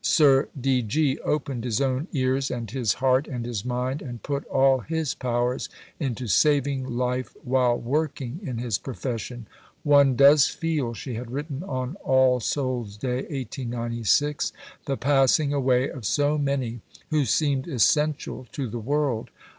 Sir D. G. opened his own ears and his heart and his mind, and put all his powers into saving life while working in his profession." "One does feel," she had written on All Souls' Day, 1896, "the passing away of so many who seemed essential to the world.